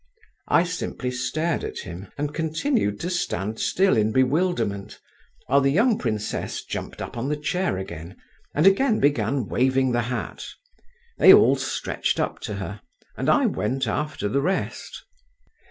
I simply stared at him, and continued to stand still in bewilderment, while the young princess jumped up on the chair again, and again began waving the hat. They all stretched up to her, and I went after the rest.